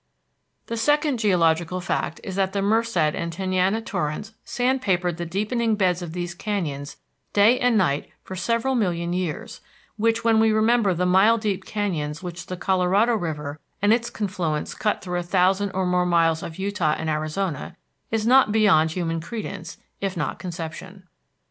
The second geological fact is that the Merced and Tenaya torrents sand papered the deepening beds of these canyons day and night for several million years; which, when we remember the mile deep canyons which the Colorado River and its confluents cut through a thousand or more miles of Utah and Arizona, is not beyond human credence, if not conception.